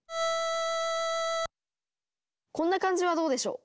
こんな感じはどうでしょう？